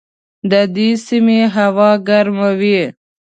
د دې سیمې هوا ګرمه وي.